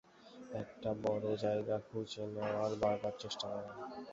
একটা বড় জায়গা খুঁজে নেওয়ার বার বার চেষ্টা করা।